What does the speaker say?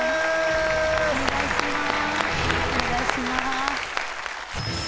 お願いします。